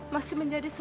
masih menjadi sumbernya